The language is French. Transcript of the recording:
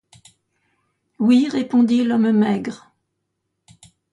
Oui, répondit l’homme maigre.